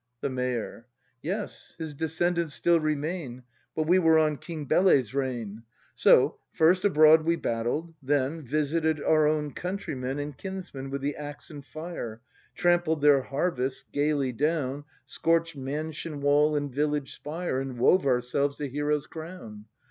The Mayor. Yes, his descendants still remain. But we were on King Bele's reign! So first abroad we battled. Then, Visited our own countrymen And kinsmen, with the axe and fire; Trampled their harvests gaily down, Scorch'd mansion wall and village spire, And wove ourselves the hero's crown.